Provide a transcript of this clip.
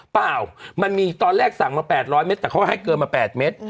เปล่ามันมีตอนแรกสั่งมา๘๐๐เมตรแต่เขาก็ให้เกินมา๘เม็ด